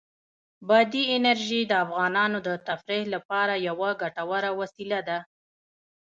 بادي انرژي د افغانانو د تفریح لپاره یوه ګټوره وسیله ده.